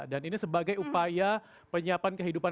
dan ini sebagai upaya penyiapan kehidupan